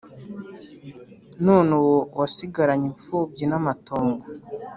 none ubu wasigaranye imfubyi n'amatongo